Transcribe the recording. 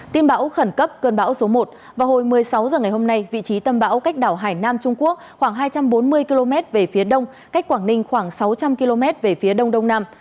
tin bão khẩn cấp cơn bão số một vào hồi một mươi sáu h ngày hôm nay vị trí tâm bão cách đảo hải nam trung quốc khoảng hai trăm bốn mươi km về phía đông cách quảng ninh khoảng sáu trăm linh km về phía đông đông nam